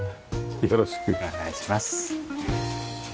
よろしく。ご案内します。